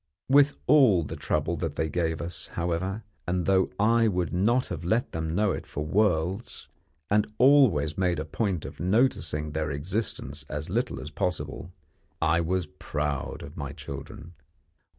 With all the trouble that they gave us, however, and though I would not have let them know it for worlds, and always made a point of noticing their existence as little as possible, I was proud of my children.